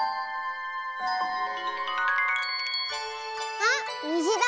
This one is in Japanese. あっにじだ！